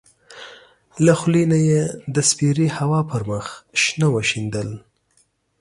له خولې نه یې د سپېرې هوا پر مخ شنه وشیندل.